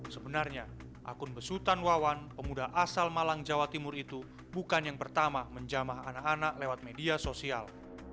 sebenarnya akun besutan wawan pemuda asal malang jawa timur itu bukan yang pertama menjamah anak anak lewat media sosial